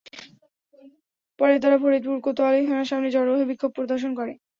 পরে তারা ফরিদপুর কোতোয়ালি থানার সামনে জড়ো হয়ে বিক্ষোভ প্রদর্শন করে।